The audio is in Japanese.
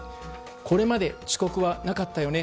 これまで遅刻はなかったよね。